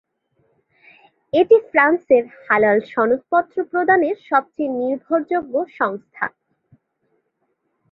এটি ফ্রান্সের হালাল সনদপত্র প্রদানের সবচেয়ে নির্ভরযোগ্য সংস্থা।